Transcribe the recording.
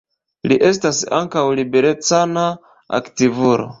Li estas ankaŭ liberecana aktivulo.